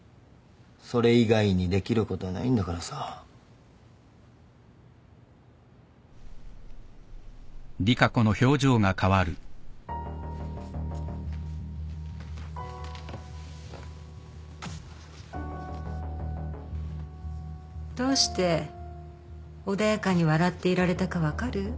それ以外にできることはないんだからさ。どうして穏やかに笑っていられたか分かる？